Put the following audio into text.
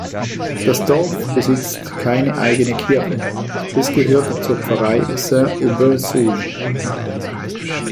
Das Dorf besitzt keine eigene Kirche, es gehört zur Pfarrei Saint-Aubin-Sauges.